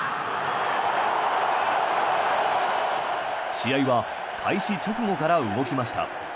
試合は開始直後から動きました。